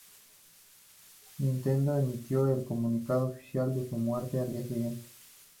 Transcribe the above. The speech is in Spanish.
Nintendo emitió el comunicado oficial de su muerte al día siguiente.